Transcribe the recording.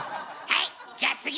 はい。